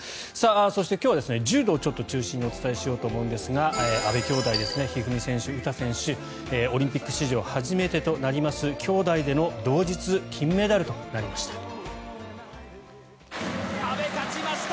そして今日は柔道を中心にお伝えしようと思うんですが阿部兄妹ですね一二三選手、詩選手オリンピック史上初めてとなります兄妹での同日金メダルとなりました。